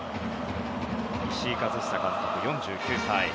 石井一久監督、４９歳。